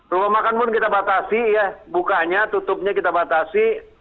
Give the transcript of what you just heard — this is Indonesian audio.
rumah makan pun kita batasi ya bukanya tutupnya kita batasi